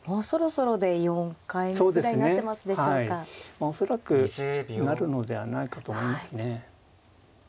まあ恐らくなるのではないかと思いますね。